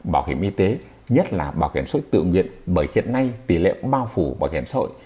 bảo hiểm y tế nhất là bảo hiểm sội tự nguyện bởi hiện nay tỷ lệ bao phủ bảo hiểm xã hội